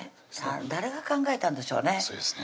誰が考えたんでしょうね